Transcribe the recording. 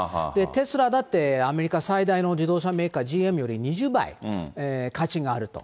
テスラだって、アメリカ最大の自動車メーカー、ＧＭより２０倍、価値があると。